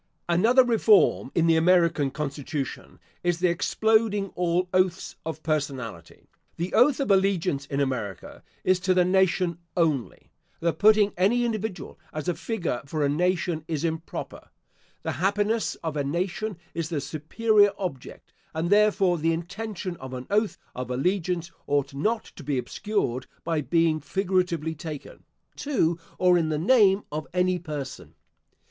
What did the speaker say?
Another reform in the American constitution is the exploding all oaths of personality. The oath of allegiance in America is to the nation only. The putting any individual as a figure for a nation is improper. The happiness of a nation is the superior object, and therefore the intention of an oath of allegiance ought not to be obscured by being figuratively taken, to, or in the name of, any person.